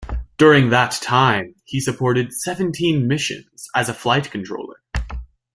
During that time, he supported seventeen missions as a flight controller.